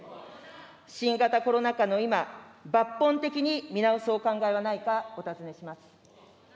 新型コロナ禍の今、抜本的に見直すお考えはないか、お尋ねします。